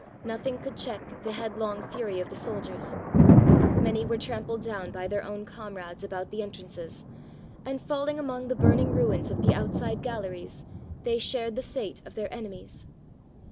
Nothing could check the headlong fury of the soldiers. Many were trampled down by their own comrades about the entrances, and falling among the burning ruins of the outside galleries, they shared the fate of their enemies.